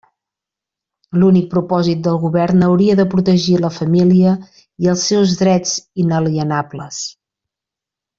L'únic propòsit del govern hauria de protegir la família i els seus drets inalienables.